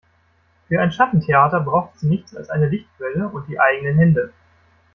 Für ein Schattentheater braucht es nichts als eine Lichtquelle und die eigenen Hände.